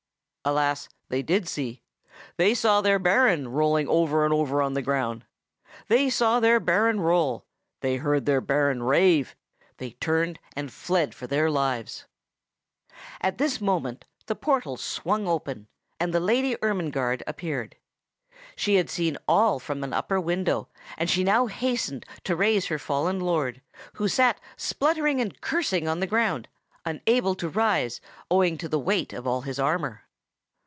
Alas! they did see; they saw their Baron rolling over and over on the ground. They saw their Baron roll; they heard their Baron rave; they turned and fled for their lives. At this moment the portal swung open, and the Lady Ermengarde appeared. She had seen all from an upper window, and she now hastened to raise her fallen lord, who sat spluttering and cursing on the ground, unable to rise, owing to the weight of his armor.